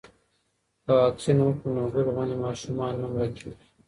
که واکسین وکړو نو ګل غوندې ماشومان نه مړه کیږي.